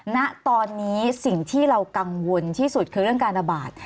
ณตอนนี้สิ่งที่เรากังวลที่สุดคือเรื่องการระบาด